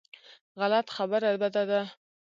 غلط خبره بده ده.